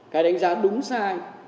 cái đánh giá đúng sai